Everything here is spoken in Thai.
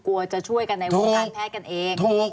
กลัวจะช่วยกันในว่าท่านแพ้กันเอง